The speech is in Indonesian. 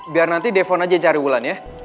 biar nanti devon aja cari wulan ya